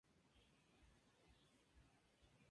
Actualmente es el Jardinero derecho de este equipo.